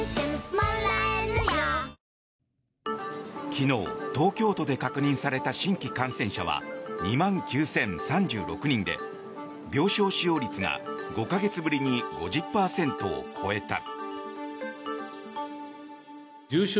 昨日、東京都で確認された新規感染者は２万９０３６人で病床使用率が５か月ぶりに５０％を超えた。